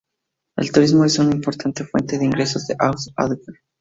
El turismo es una importante fuente de ingresos de Aust-Agder.